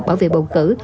bảo vệ bầu cử